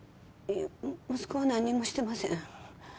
息子は何もしてません